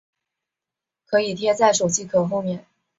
可以贴在手机壳后面